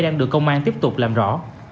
đang được công an tiếp tục làm rõ